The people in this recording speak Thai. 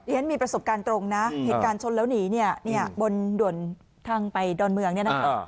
ฉันมีประสบการณ์ตรงนะเหตุการณ์ชนแล้วหนีเนี่ยบนด่วนทางไปดอนเมืองเนี่ยนะคะ